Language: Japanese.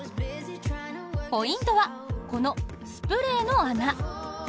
ポイントはこのスプレーの穴。